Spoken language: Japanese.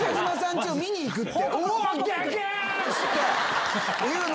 家を見に行くって。